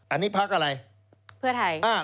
อันนี้พักอะไรเพื่อไทย